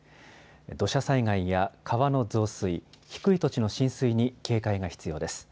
土砂災害や川の増水、低い土地の浸水に警戒が必要です。